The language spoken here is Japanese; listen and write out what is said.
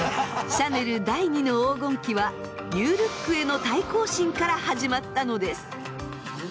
シャネル第２の黄金期はニュールックへの対抗心から始まったのです。